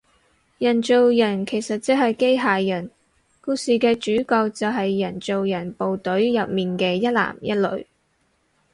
人造人其實即係機械人，故事嘅主角就係人造人部隊入面嘅一男一女